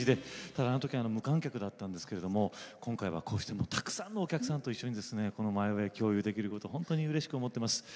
ただあのとき無観客だったんですけれども今回はこうしてたくさんのお客さんと一緒にこの「マイ・ウェイ」共有できることを本当にうれしく思ってます。